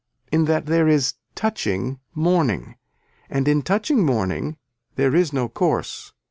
In that there is touching morning and in touching morning there is no course.